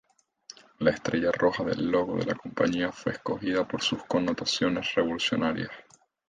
La estrella roja del logo de la compañía fue escogida por sus connotaciones revolucionarias.